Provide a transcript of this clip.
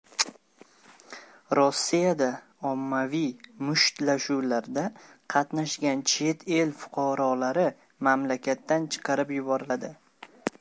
Rossiyada ommaviy mushtlashuvlarda qatnashgan chet el fuqarolari mamlakatdan chiqarib yuboriladi